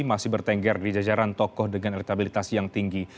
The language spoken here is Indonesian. masih bertengger di jajaran tokoh dengan elektabilitas yang tinggi